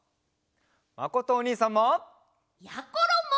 まことおにいさんも！やころも！